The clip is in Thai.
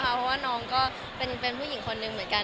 เพราะว่าน้องก็เป็นผู้หญิงคนหนึ่งเหมือนกัน